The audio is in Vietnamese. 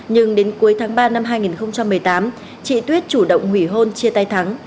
nhưng đến cuối tháng ba năm hai nghìn một mươi tám chị tuyết chủ động hủy hôn chia tay thắng